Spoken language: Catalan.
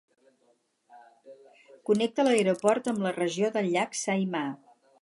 Connecta l'aeroport amb la regió del Llac Saimaa.